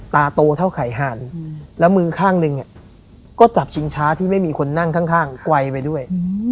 ตาโตเท่าไขห่านแล้วมือข้างหนึ่งก็จับชิงช้าที่ไม่มีคนนั่งข้างไกลไปด้วย